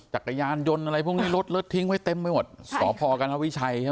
จักรยานยนต์อะไรพวกนี้รถเลิศทิ้งไว้เต็มไปหมดสพกรณวิชัยใช่ไหม